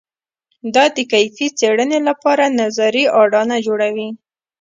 دا د کیفي څېړنې لپاره نظري اډانه جوړوي.